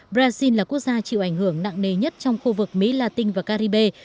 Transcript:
brazil là quốc gia chịu ảnh hưởng nặng nề nhất trong khu vực mỹ latin và caribe